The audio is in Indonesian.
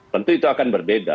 tentu itu akan berbeda